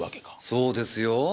そうですよ。